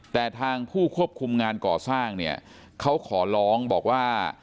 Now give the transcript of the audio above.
แต่ทางผู้ควบคุมงานก่อสร้างเนี่ยเขาขอร้องบอกว่า